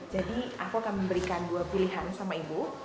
jadi aku akan memberikan dua pilihan sama ibu